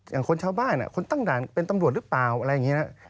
อย่างคนชาวบ้านคนตั้งด่านเป็นตำรวจหรือเปล่าอะไรอย่างนี้นะ